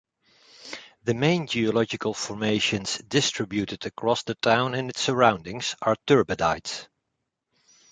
The main geological formations distributed across the town and its surroundings are turbidites.